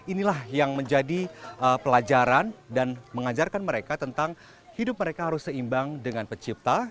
inilah yang menjadi pelajaran dan mengajarkan mereka tentang hidup mereka harus seimbang dengan pencipta